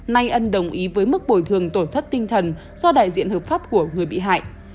nay ân đồng ý với mức bồi thường tổn thất tinh thần do đại diện hợp pháp của người bị hại